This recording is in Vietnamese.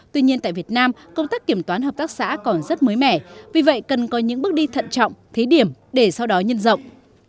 tuy nhiên tại việt nam công tác kiểm toán hợp tác xã còn rất mới mẻ vì vậy cần có những bước đi thận trọng thí điểm để sau đó nhân rộng